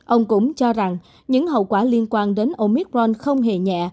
ông cũng cho rằng những hậu quả liên quan đến omicron không hề nhẹ